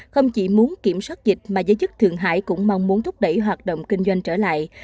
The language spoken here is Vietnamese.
không chỉ muốn kiểm soát dịch mà giới chức thượng hải cũng mong muốn thúc đẩy hoạt động kinh doanh trở lại